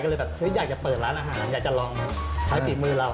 ก็เลยแบบอยากจะเปิดร้านอาหารอยากจะลองใช้ฝีมือเรา